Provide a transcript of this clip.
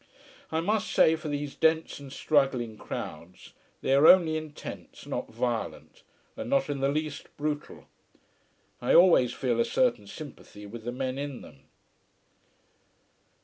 I must say for these dense and struggling crowds, they are only intense, not violent, and not in the least brutal. I always feel a certain sympathy with the men in them.